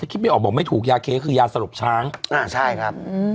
คิดไม่ออกบอกไม่ถูกยาเคคือยาสลบช้างอ่าใช่ครับ